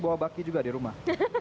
bawa baki juga di rumah